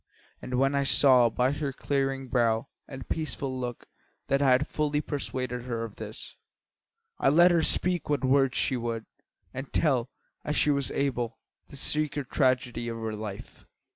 And when I saw, by her clearing brow and peaceful look, that I had fully persuaded her of this, I let her speak what words she would, and tell, as she was able, the secret tragedy of her life.